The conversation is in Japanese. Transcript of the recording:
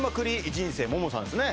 人生萌々さんですね